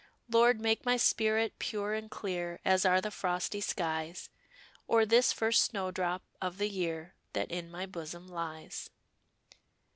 Lord, make my spirit pure and clear, As are the frosty skies, Or this first snowdrop of the year, That in my bosom lies.'